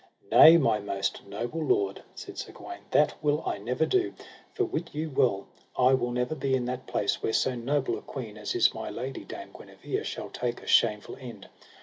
Nay, my most noble lord, said Sir Gawaine, that will I never do; for wit you well I will never be in that place where so noble a queen as is my lady, Dame Guenever, shall take a shameful end.